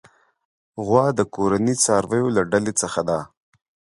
غوا د کورني څارويو له ډلې څخه ده.